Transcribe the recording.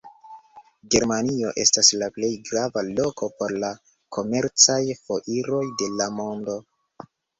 Germanio estas la plej grava loko por la komercaj foiroj de la mondo.